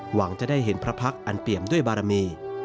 หวังจะได้เห็นพระพักษ์อันเปี่ยมด้วยบารมี